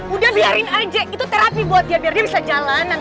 udah biarin aja itu terapi buat dia biar dia bisa jalanan